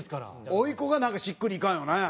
「おいこが」なんかしっくりいかんよね